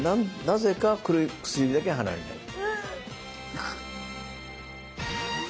なぜか薬指だけ離れない。